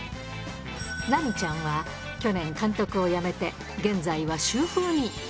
ラミちゃんは去年監督を辞めて、現在は主夫に。